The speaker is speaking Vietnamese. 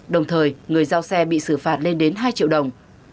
đồng thời người giao xe bị xử phạt lên đến hai triệu đồng